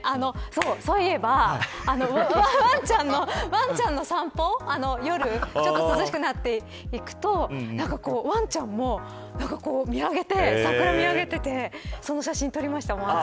そういえば、ワンちゃんの散歩夜ちょっと涼しくなっていくとワンちゃんも桜を見上げててその写真撮りました。